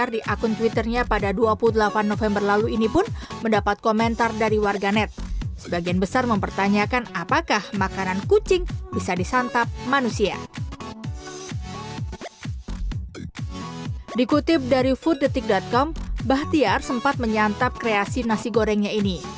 dikutip dari food detik com bahtiar sempat menyantap kreasi nasi gorengnya ini